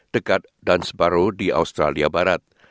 dekat dunsborough di australia barat